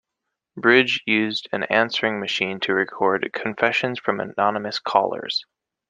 Bridge used an answering machine to record confessions from anonymous callers.